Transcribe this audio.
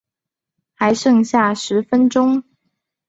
还剩下十分钟